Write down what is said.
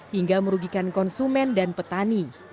hingga merugikan konsumen dan petani